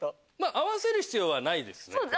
合わせる必要はないですね。